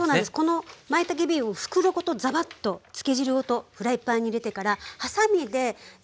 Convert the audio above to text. このまいたけビーフを袋ごとザバッと漬け汁ごとフライパンに入れてからはさみで一口大